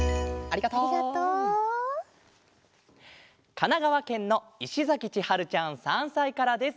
かながわけんのいしざきちはるちゃん３さいからです。